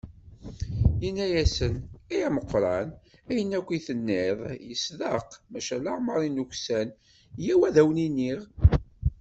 Yenna-asen: "Ay ameqqran, ayen akk i d-tenniḍ yesdeq, maca lemmer i nuksan, yyaw ad awen-iniɣ."